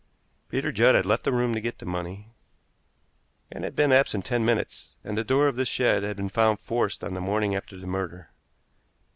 Peter Judd had left the room to get the money, and had been absent ten minutes; and the door of this shed had been found forced on the morning after the murder.